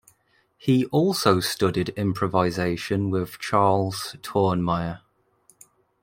He also studied improvisation with Charles Tournemire.